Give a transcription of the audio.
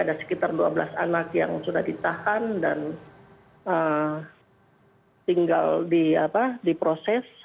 ada sekitar dua belas anak yang sudah ditahan dan tinggal di proses